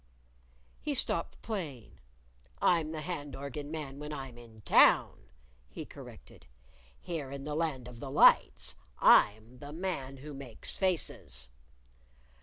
He stopped playing, "I'm the hand organ man when I'm in town," he corrected. "Here, in the Land of the Lights, I'm the Man Who Makes Faces."